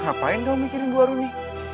ngapain dong mikirin dua rumi